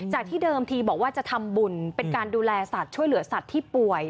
ที่เดิมทีบอกว่าจะทำบุญเป็นการดูแลสัตว์ช่วยเหลือสัตว์ที่ป่วย